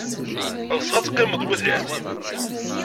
Ɣseɣ ad teqqimed deg At Leɛzib.